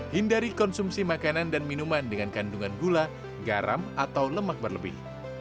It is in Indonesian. hindari konsumsi makanan dan minuman dengan kandungan gula garam atau lemak berlebih